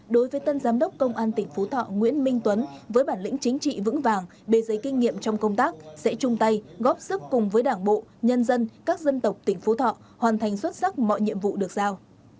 đối với tân giám đốc công an tỉnh phú thọ nguyễn minh tuấn với bản lĩnh chính trị vững vàng bề giấy kinh nghiệm trong công tác sẽ chung tay góp sức cùng với đảng bộ nhân dân các dân tộc tỉnh phú thọ hoàn thành xuất sắc mọi nhiệm vụ được giao